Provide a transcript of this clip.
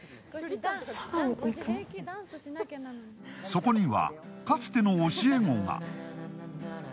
そこにはかつての教え子が。